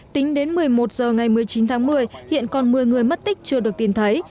tính đến một mươi một h ngày một mươi chín tháng một mươi hiện còn một mươi người mất tích chưa được tìm thấy